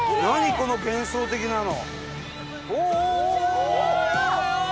この幻想的なの！